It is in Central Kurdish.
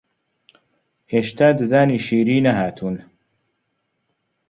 هێشتا ددانی شیری نەهاتوون